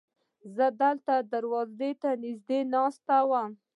زه همدلته دروازې ته نږدې ناست وم.